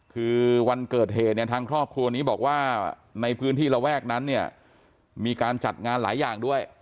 คือวันเกิดเหตุเนี่ยทางครอบครัวนี้บอกว่าในพื้นที่ระแวกนั้นเนี่ยมีการจัดงานหลายอย่างด้วย